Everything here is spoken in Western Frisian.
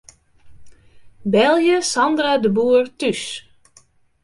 Belje Sandra de Boer thús.